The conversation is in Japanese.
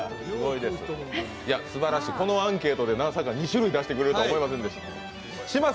すばらしい、このアンケートでまさか２種類出してくれるとは。